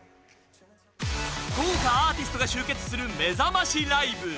豪華アーティストが集結するめざましライブ。